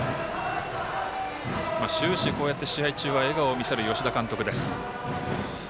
終始、こうやって試合中は笑顔を見せる吉田監督です。